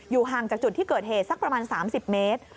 ห่างจากจุดที่เกิดเหตุสักประมาณ๓๐เมตร